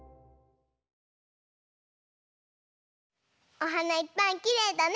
おはないっぱいきれいだね！